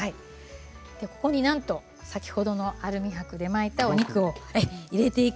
ここになんと先ほどのアルミはくで巻いてお肉を入れていく。